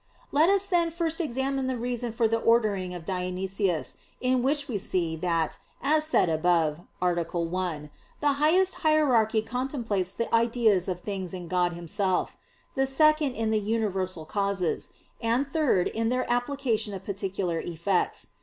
Let us then first examine the reason for the ordering of Dionysius, in which we see, that, as said above (A. 1), the highest hierarchy contemplates the ideas of things in God Himself; the second in the universal causes; and third in their application to particular effects.